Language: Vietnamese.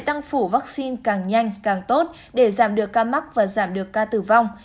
tăng phủ vaccine càng nhanh càng tốt để giảm được ca mắc và giảm được ca tử vong